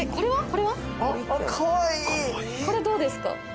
これどうですか？